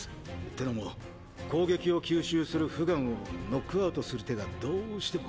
てのも攻撃を吸収するフガンをノックアウトする手がどうしても。